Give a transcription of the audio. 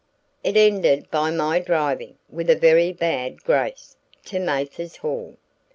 It ended by my driving, with a very bad grace, to Mathers Hall.